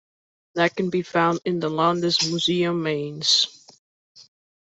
That can be found in the "Landesmuseum Mainz".